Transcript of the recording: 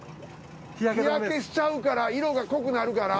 日焼けしちゃうから色が濃くなるから。